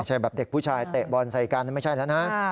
ใช่แบบเด็กผู้ชายเตะบอลใส่กันไม่ใช่แล้วนะ